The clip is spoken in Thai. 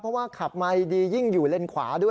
เพราะว่าขับมาดียิ่งอยู่เลนขวาด้วย